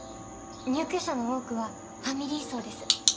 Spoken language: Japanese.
入居者の多くはファミリー層です。